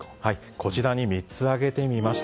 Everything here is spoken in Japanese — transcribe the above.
こちらに３つ挙げてみました。